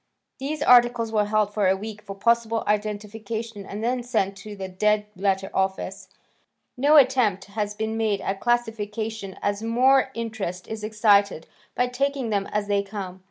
These articles were held for a week for possible identification and then sent to the Dead Letter Office. No attempt has been made at classification as more interest is excited by taking them as they come.